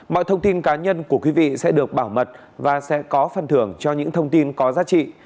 mọi thông tin cá nhân của quý vị sẽ được bảo mật và sẽ có phần thưởng cho những thông tin có giá trị